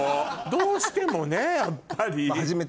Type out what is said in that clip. どうしてもねやっぱり。